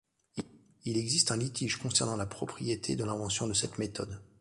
Il existe un litige concernant la priorité de l'invention de cette méthode.